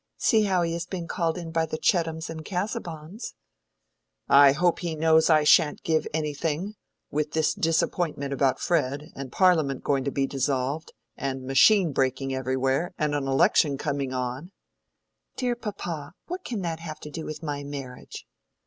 See how he has been called in by the Chettams and Casaubons." "I hope he knows I shan't give anything—with this disappointment about Fred, and Parliament going to be dissolved, and machine breaking everywhere, and an election coming on—" "Dear papa! what can that have to do with my marriage?"